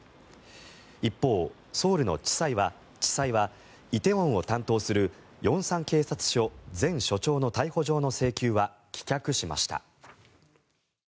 一方、ソウルの地裁は梨泰院を担当する龍山警察署前署長の逮捕状の請求は棄却しました。